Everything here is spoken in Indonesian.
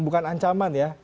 bukan ancaman ya